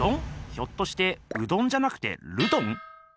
ひょっとしてうどんじゃなくてルドン？